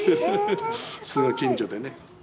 すぐ近所でね。